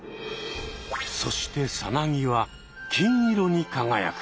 そしてさなぎは金色にかがやく。